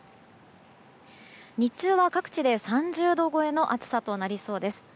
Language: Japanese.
日中は各地で３０度超えの暑さとなりそうです。